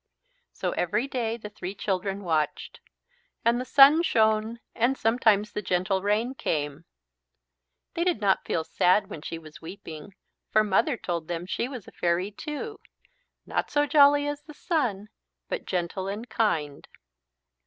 So every day the three children watched. And the Sun shone and sometimes the gentle Rain came. They did not feel sad when she was weeping, for Mother told them she was a fairy too, not so jolly as the Sun but gentle and kind.